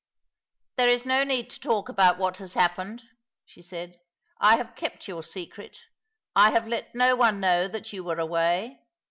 " There is no need to talk about what has happened," she said. "I have kept your secret. I have let no one know that you were away.